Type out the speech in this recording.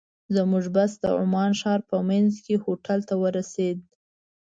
زموږ بس د عمان ښار په منځ کې هوټل ته ورسېد.